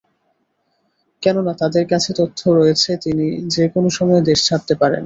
কেননা তাদের কাছে তথ্য রয়েছে তিনি যেকোনো সময় দেশ ছাড়তে পারেন।